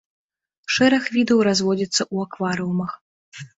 Шэраг відаў разводзіцца ў акварыумах.